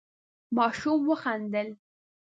ماشوم وخندل.